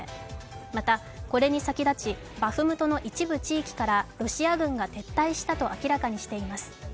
また、これに先立ち、バフムトの一部地域からロシア軍が撤退したと明らかにしています。